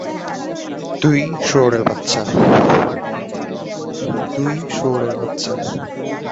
তোই শুয়োরের বাচ্চা!